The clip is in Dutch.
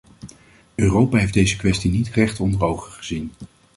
Europa heeft deze kwestie niet recht onder ogen gezien.